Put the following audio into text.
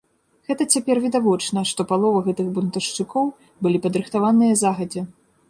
Гэта цяпер відавочна, што палова гэтых бунтаўшчыкоў былі падрыхтаваныя загадзя.